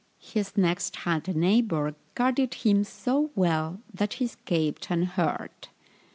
His next hand neighbour guarded him so well that he escaped unhurt.